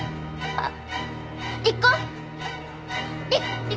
あっ！